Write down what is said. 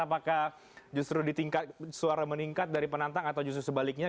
apakah justru suara meningkat dari penantang atau justru sebaliknya